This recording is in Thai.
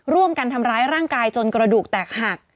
ร่วมกันทำร้ายร่างกายจนกระดูกแตกหัก